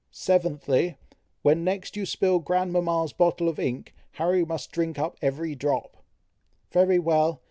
"Seventhly, when next you spill grandmama's bottle of ink, Harry must drink up every drop." "Very well!